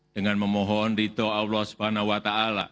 dengan memohon rito allah swt